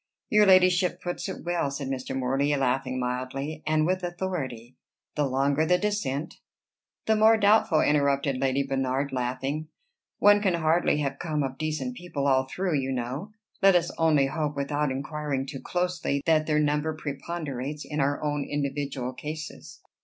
"Your ladyship puts it well," said Mr. Morley, laughing mildly, "and with authority. The longer the descent" "The more doubtful," interrupted Lady Bernard, laughing. "One can hardly have come of decent people all through, you know. Let us only hope, without inquiring too closely, that their number preponderates in our own individual cases."